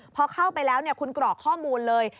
พอเข้าไปแล้วคุณกรอกข้อมูลเลย